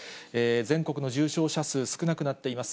全国の重症者数、少なくなっています。